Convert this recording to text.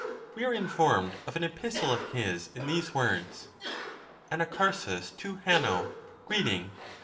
We are informed of an epistle of his in these words: "Anacharsis to Hanno, greeting.